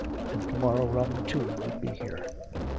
And to morrow Robin, too, would be here.